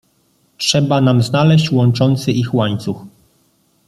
"Trzeba nam znaleźć łączący ich łańcuch."